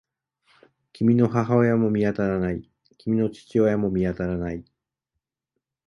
君の母親も見当たらない。君の父親も見当たらない。